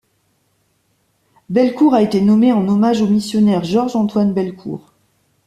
Belcourt a été nommée en hommage au missionnaire Georges-Antoine Belcourt.